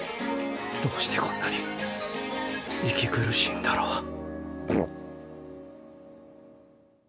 どうしてこんなに息苦しいんだろう